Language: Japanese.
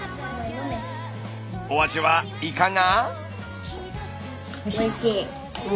お味はいかが？